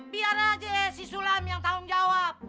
biar aja si sulam yang tanggung jawab